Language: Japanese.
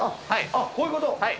あっ、こういうこと？